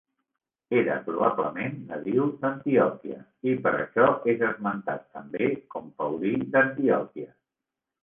Era probablement nadiu d'Antioquia i per això és esmentat també com Paulí d'Antioquia.